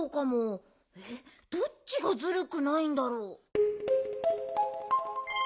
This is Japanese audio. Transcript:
えっどっちがずるくないんだろう？